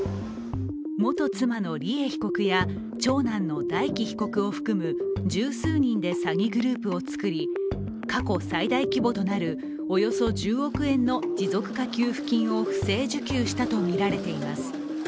元妻の梨恵被告や長男の大祈被告を含む十数人で詐欺グループを作り過去最大規模となるおよそ１０億円の持続化給付金を不正受給したとみられています。